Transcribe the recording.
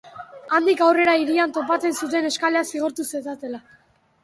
Handik aurrera hirian topatzen zuten eskalea zigortu zezatela.